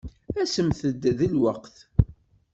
Asemt-d deg lweqt.